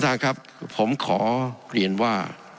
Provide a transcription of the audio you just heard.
ท่านครับผมขอเรียนว่า